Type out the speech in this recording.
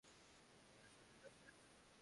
তিনি এই হাসপাতালে আছেন।